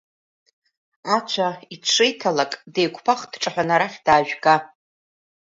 Ацәа иҽшеиҭалак деиқәԥах дҿаҳәаны арахь даажәга.